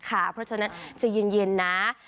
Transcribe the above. เพราะฉะนั้นใจเย็นนะ